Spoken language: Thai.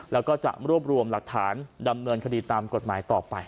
แล้วก็จะรวบรวมหลักฐานดำเนินคดีตามกฎหมายต่อไป